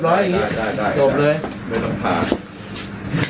ไม่ต้องพา